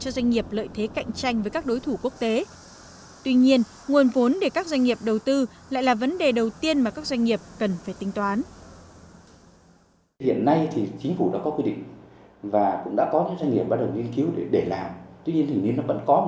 doanh nghiệp đầu tư lại là vấn đề đầu tiên mà các doanh nghiệp cần phải tính toán